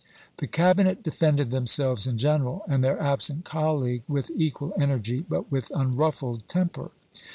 The Cabinet defended themselves in general and their absent colleague with equal energy but with unruffled temper.